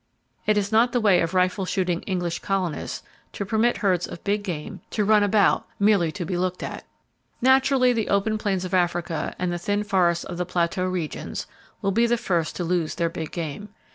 It is not the way of rifle shooting English colonists to permit herds of big game to run about merely to be looked at. Naturally, the open plains of Africa, and the thin forests of the plateau regions, will be the first to lose their big game.